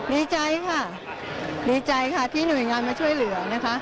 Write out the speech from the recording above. ดีใจค่ะดีใจค่ะที่หน่วยงานมาช่วยเหลือนะคะ